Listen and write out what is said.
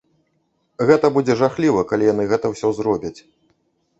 Гэта будзе жахліва, калі яны гэта ўсё зробяць.